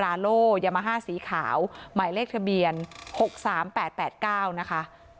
ลาโลยามาฮ่าสีขาวหมายเลขทะเบียน๖๓๘๘๙นะคะ